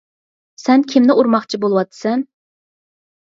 سەن كىمنى ئۇرماقچى بولۇۋاتىسەن؟